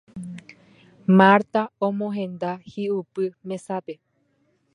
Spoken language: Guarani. Marta omohenda hi'upy mesápe